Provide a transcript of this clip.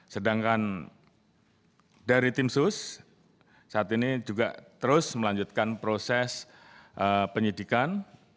sedangkan dari tim sus saat ini juga terus melanjutkan proses penyidikan